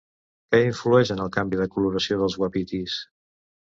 Què influeix en el canvi de coloració dels uapitís?